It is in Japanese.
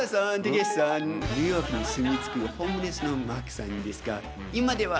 ニューヨークに住み着くホームレスのマークさんですが今では。